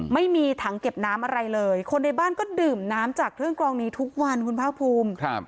ไม่มีถังเก็บน้ำอะไรเลยคนในบ้านก็ดื่มน้ำจากเครื่องกรองนี้ทุกวันคุณภาคภูมิ